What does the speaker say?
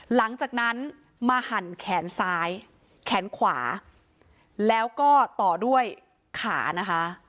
หลังจากนั้นมาหั่นแขนซ้ายแขนขวาแล้วก็ต่อด้วยขานะคะ